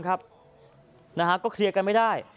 ก็เคลียร์กันไม่ได้